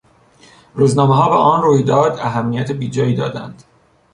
روزنامهها به آن رویداد اهمیت بیجایی دادند.